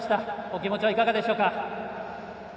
お気持ちはいかがでしょうか。